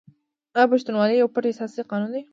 آیا پښتونولي یو پټ اساسي قانون نه دی؟